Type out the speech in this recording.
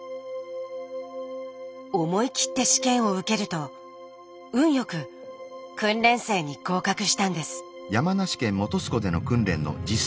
思い切って試験を受けると運よく訓練生に合格したんです。